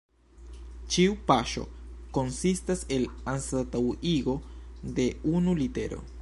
Ĉiu paŝo konsistas el anstataŭigo de unu litero.